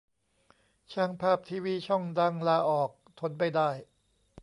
ช่างภาพทีวีช่องดัง ลาออก ทนไม่ได้